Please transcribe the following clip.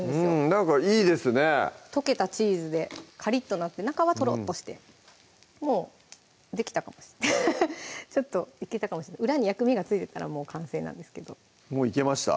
なんかいいですね溶けたチーズでカリッとなって中はトロッとしてもうできたかもちょっといけたかもしれない裏に焼き目がついてたら完成なんですけどもういけました？